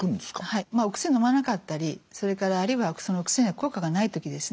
お薬をのまなかったりそれからあるいはそのお薬が効果がない時ですね